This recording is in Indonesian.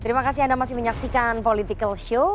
terima kasih anda masih menyaksikan political show